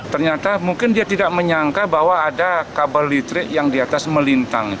ternyata mungkin dia tidak menyangka bahwa ada kabel listrik yang di atas melintang